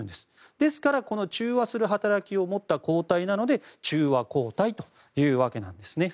ですから、中和の働きを持った抗体なので中和抗体というわけなんですね。